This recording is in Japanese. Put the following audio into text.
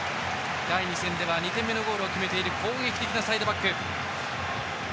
第２戦では２点目のゴールを決めている攻撃的なサイドバック。